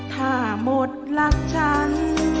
ถ้าหมดรักฉัน